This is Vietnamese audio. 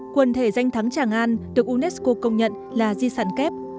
quần thể danh thắng tràng an được unesco công nhận là di sản kép